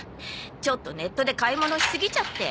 ちょっとネットで買い物しすぎちゃって。